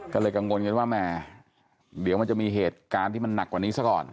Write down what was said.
ก็เลยกังวลกันว่าแหมเดี๋ยวมันจะมีเหตุการณ์ที่มันหนักกว่านี้ซะก่อน